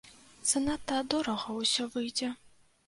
Занадта дорага ўсё выйдзе.